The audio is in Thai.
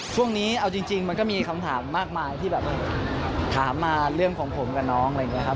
ช่วงนี้เอาจริงมันก็มีคำถามมากมายที่แบบถามมาเรื่องของผมกับน้องอะไรอย่างนี้ครับ